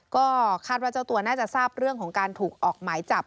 ก็คาดว่าเจ้าตัวน่าจะทราบเรื่องของการถูกออกหมายจับ